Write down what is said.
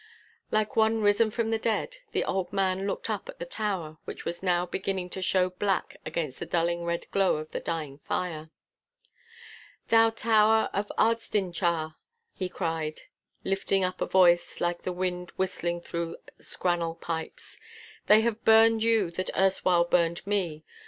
Like one risen from the dead, the old man looked up at the tower which was now beginning to show black against the dulling red glow of the dying fire. 'Thou tower of Ardstinchar,' he cried, lifting up a voice like the wind whistling through scrannel pipes, 'they have burned you that erstwhile burned me.